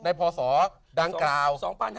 ในพอ๒ดังกล่าว